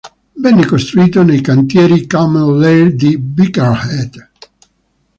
Venne costruito nei cantieri Cammell Laird di Birkenhead.